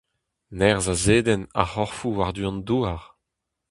Nerzh a zedenn ar c'horfoù war-du an Douar.